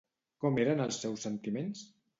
Com eren els seus sentiments?